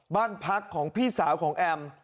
บ้านพักของพี่สาวของแอม